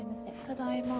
ただいま。